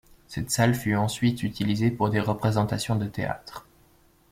Cette salle fut ensuite utilisée pour des représentations de théâtre.